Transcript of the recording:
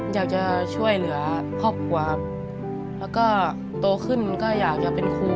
อยากจะช่วยเหลือครอบครัวครับแล้วก็โตขึ้นก็อยากจะเป็นครู